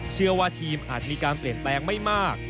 เชื่อว่าทีมอาจมีการเปลี่ยนแปลงไม่มาก